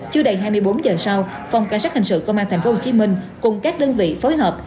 chưa đầy hai mươi bốn giờ sau phòng cảnh sát hình sự công an tp hcm cùng các đơn vị phối hợp